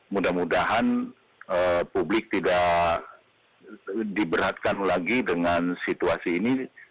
mudah mudahan publik tidak diberatkan lagi dengan situasi ini